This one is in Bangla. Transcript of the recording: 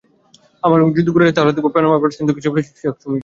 আমার যদি গোড়ায় যাই, তাহলে দেখব পানামা পেপারস কিন্তু করবিষয়ক কিছু নয়।